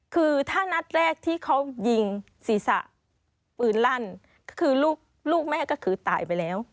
คือถ้านัดแรกที่เขายิงศีรษะปืนลั่นคือลูกลูกแม่ก็คือตายไปแล้ว